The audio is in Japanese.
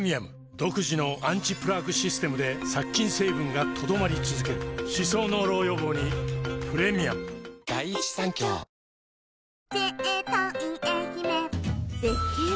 独自のアンチプラークシステムで殺菌成分が留まり続ける歯槽膿漏予防にプレミアムいってらっしゃ薄着！